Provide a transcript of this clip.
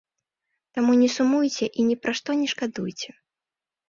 Таму не сумуйце і ні пра што не шкадуйце.